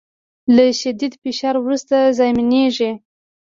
له شدید فشار وروسته زیانمنېږي